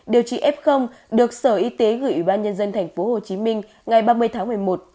điều trị f được sở y tế gửi ủy ban nhân dân tp hcm ngày ba mươi tháng một mươi một